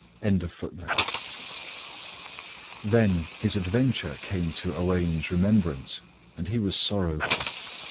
"] Then his adventure came to Owain's remembrance, and he was sorrowful.